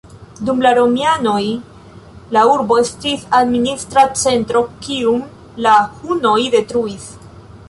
Dum la romianoj la urbo estis administra centro, kiun la hunoj detruis.